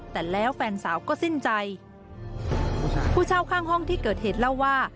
แต่แล้วแฟนสาวก็สิ้นใจผู้เช่าข้างห้องที่เกิดเหตุเล่าว่า